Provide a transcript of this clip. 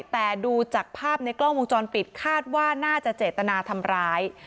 แต่ดูจากภาพในกล้องวงจรปิดคาดว่าน่าจะเจตนาทำร้าย